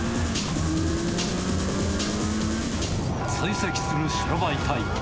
追跡する白バイ隊員。